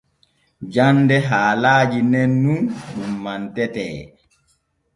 Jande haalaaji nen nun ɗun mantetee.